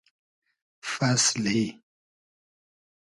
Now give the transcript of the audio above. فئسلی